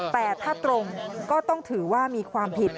แต่ถ้าตรงก็ต้องถือว่ามีความผิด